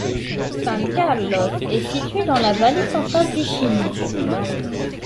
San Carlos est située dans la vallée centrale du Chili.